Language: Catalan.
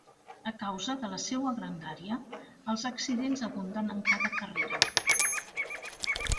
A causa de la seua grandària, els accidents abunden en cada carrera.